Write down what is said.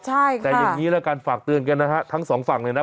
แต่อย่างนี้ละกันฝากเตือนกันนะฮะทั้งสองฝั่งเลยนะ